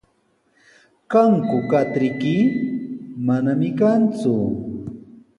¿Kanku katriyki? Manami kanku.